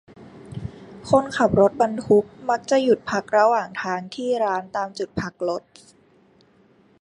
คนขับรถบรรทุกมักจะหยุดพักระหว่างทางที่ร้านตามจุดพักรถ